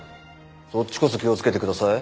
そっちこそ気をつけてください。